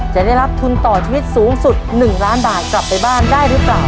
จะได้รับทุนต่อชีวิตสูงสุด๑ล้านบาทกลับไปบ้านได้หรือเปล่า